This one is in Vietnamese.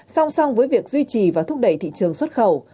song song với việc duy trì và thúc đẩy thị trường xuất khẩu